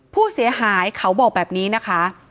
ผู้เสียหายเขาบอกแบบนี้นะคะ